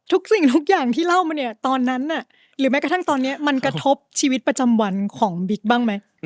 สิ่งทุกอย่างที่เล่ามาเนี่ยตอนนั้นหรือแม้กระทั่งตอนนี้มันกระทบชีวิตประจำวันของบิ๊กบ้างไหม